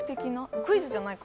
クイズじゃないか。